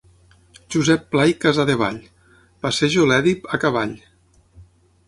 Josep Pla i Casadevall: “Passejo l'Èdip a cavall”.